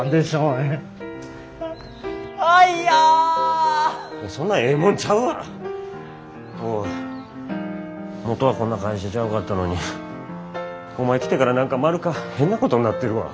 おいもとはこんな会社ちゃうかったのにお前来てから何かマルカ変なことになってるわ。